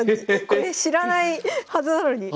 これ知らないはずなのに。